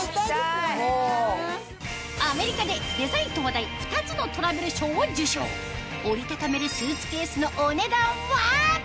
アメリカでデザインと話題２つのトラベル賞を受賞折りたためるスーツケースのお値段は？